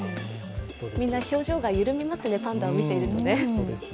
みんな表情が緩みますね、パンダを見ているとね。